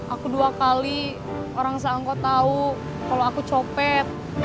aku dua kali orang seangkot tahu kalau aku copet